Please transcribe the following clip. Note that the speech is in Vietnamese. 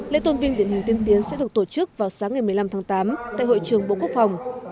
lễ tôn vinh điển hình tiên tiến sẽ được tổ chức vào sáng ngày một mươi năm tháng tám tại hội trường bộ quốc phòng